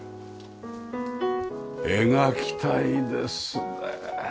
描きたいですねえ。